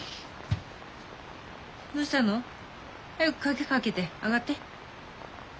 どうしたの？早く鍵かけて上がって。